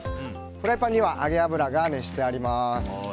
フライパンには揚げ油が熱してあります。